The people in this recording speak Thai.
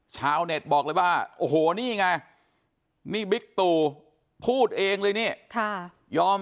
ชาวเน็ตบอกเลยว่าโอ้โหนี่ไงนี่บิ๊กตูพูดเองเลยนี่ยอม